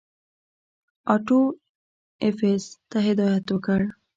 آټو ایفز ته هدایت وکړ.